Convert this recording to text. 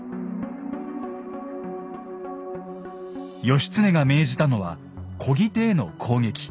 義経が命じたのはこぎ手への攻撃。